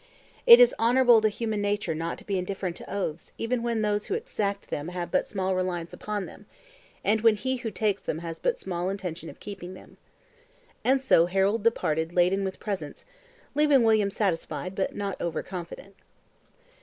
It is honorable to human nature not to be indifferent to oaths even when those who exact them have but small reliance upon them, and when he who takes them has but small intention of keeping them. And so Harold departed laden with presents, leaving William satisfied, but not over confident.